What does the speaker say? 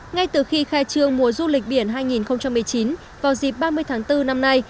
ngay từ khi khai trương mùa du lịch biển hai nghìn một mươi chín vào dịp ba mươi tháng bốn năm nay